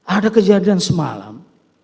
ada kejadian semalam